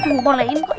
tuh dipolehin kok